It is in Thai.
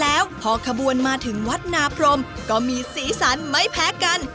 แล้วพอขบวนมาถึงวัดนาพรมก็มีสีสันไม่แพ้กัน